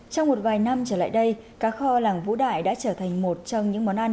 trong một vài năm trở lại đây cá kho làng vũ đại đã trở thành một trong những món ăn